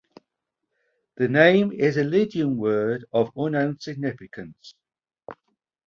The name is a Lydian word of unknown significance.